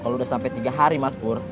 kalau udah sampe tiga hari mas pur